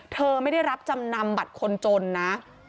เธอไม่ได้รับจำนำบัตรคนจนนะ